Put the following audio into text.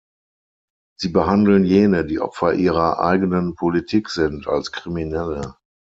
Sie behandeln jene, die Opfer Ihrer eigenen Politik sind, als Kriminelle.